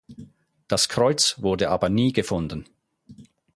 Das Kreuz wurde aber nie gefunden.